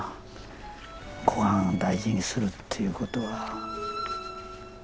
ごはんを大事にするっていうことは。